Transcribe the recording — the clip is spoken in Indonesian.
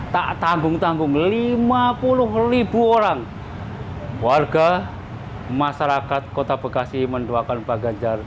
tak tanggung tanggung lima puluh ribu orang warga masyarakat kota bekasi mendoakan pak ganjar